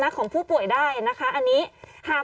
กล้องกว้างอย่างเดียว